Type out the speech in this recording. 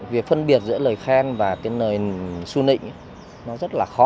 việc phân biệt giữa lời khen và cái lời su nịnh nó rất là khó